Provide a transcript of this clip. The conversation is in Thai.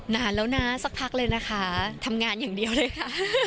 นานแล้วนะสักพักเลยนะคะทำงานอย่างเดียวเลยค่ะ